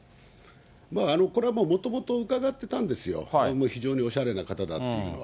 まあ、これはもともと伺ってたんですよ、非常におしゃれな方だっていうのは。